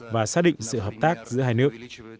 và xác định sự hợp tác giữa hai nước